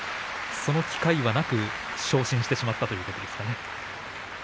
その機会はなく昇進してしまったということですかね。